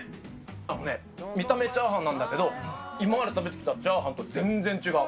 あのね、見た目チャーハンなんだけど、今まで食べてきたチャーハンと全然違う。